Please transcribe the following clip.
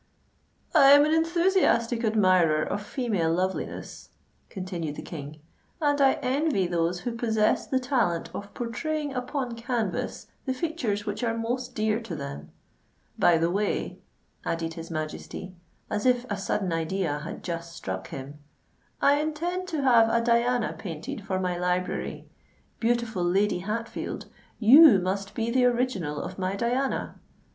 "I am an enthusiastic admirer of female loveliness," continued the King; "and I envy those who possess the talent of pourtraying upon canvas the features which are most dear to them. By the way," added his Majesty, as if a sudden idea had just struck him, "I intend to have a Diana painted for my Library. Beautiful Lady Hatfield, you must be the original of my Diana!